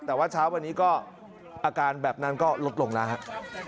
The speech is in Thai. แต่ว่าเช้าวันนี้ก็อาการแบบนั้นก็ลดลงแล้วครับ